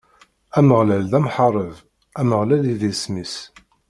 Ameɣlal d amḥareb, Ameɣlal i d isem-is.